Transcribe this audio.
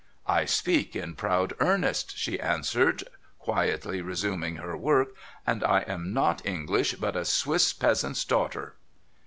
' I speak in proud earnest,' she answered, quietly resuming her work, ' and I am not English, but a Swiss peasant's daughter.'